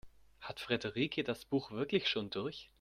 Hat Friederike das Buch wirklich schon durch?